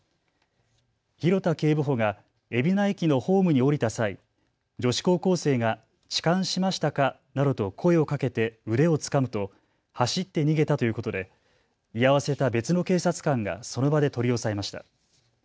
廣田警部補が海老名駅のホームに降りた際、女子高校生が痴漢しましたかなどと声をかけて腕をつかむと走って逃げたということで居合わせた別の警察官がその場で取り押さえました。